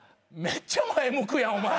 めっちゃ前向くやんお前。